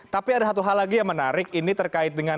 tapi ada satu hal lagi yang menarik ini terkait dengan